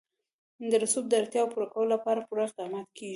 د رسوب د اړتیاوو پوره کولو لپاره پوره اقدامات کېږي.